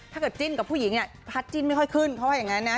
จิ้นกับผู้หญิงพัดจิ้นไม่ค่อยขึ้นเขาว่าอย่างนั้นนะ